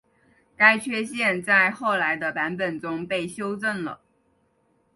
该缺陷在后来的版本中被修正了。